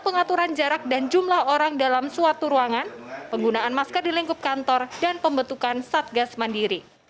pengaturan jarak dan jumlah orang dalam suatu ruangan penggunaan masker di lingkup kantor dan pembentukan satgas mandiri